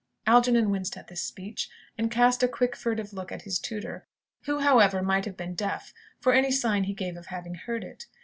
Algernon winced at this speech, and cast a quick, furtive look at his tutor, who, however, might have been deaf, for any sign he gave of having heard it.